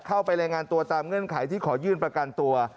เข้าไปรายงานตัวตามเงื่อนไขที่ขอยื่นประกันตัว